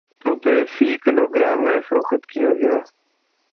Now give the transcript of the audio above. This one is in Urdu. روپے فی کلو گرام میں فروخت کیا گیا